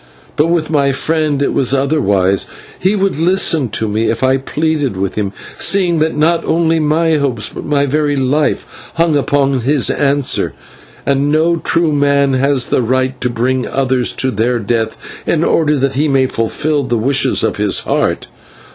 But with my friend it was otherwise; he would listen to me if I pleaded with him, seeing that not only my hopes but my very life hung upon his answer, and no true man has the right to bring others to their death in order that he may fulfil the wishes of his heart.